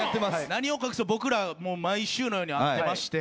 何を隠そう僕ら毎週のように会ってまして。